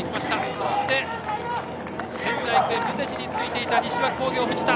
そして、仙台育英のムテチについていった西脇工業、藤田。